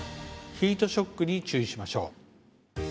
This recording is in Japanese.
ヒートショックに注意しましょう。